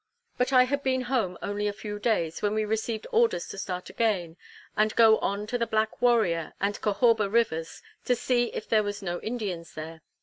But I had been home only a few days, when we received orders to start again, and go on to the Black Warrior and Cahawba rivers, to see if there was no Indians there.